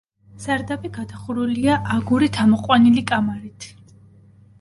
სარდაფი გადახურულია აგურით ამოყვანილი კამარით.